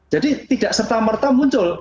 jadi tidak serta merta muncul